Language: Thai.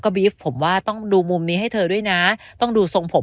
บีฟผมว่าต้องดูมุมนี้ให้เธอด้วยนะต้องดูทรงผม